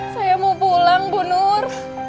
saya mau pulang bu nur